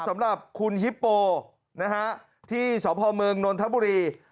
สำหรับคุณฮิปโปที่สพเมืองนนทบุรี